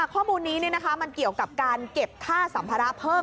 ข้อมูลนี้มันเกี่ยวกับการเก็บค่าสัมภาระเพิ่ม